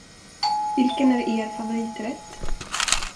Vilken är er favoriträtt?